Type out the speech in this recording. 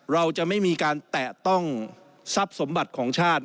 เราจะไม่มีการแตะต้องทรัพย์สมบัติของชาติ